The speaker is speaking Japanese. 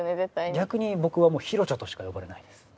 逆に僕は「ヒロチョ」としか呼ばれないです。